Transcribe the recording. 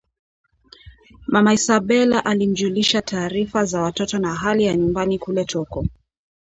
mama Isabela alimjulisha taarifa za watoto na hali ya nyumbani kule Toko